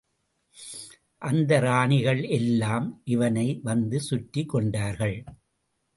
அந்த ராணிகள் எல்லாம் இவனை வந்து சுற்றிக் கொண்டார்கள்.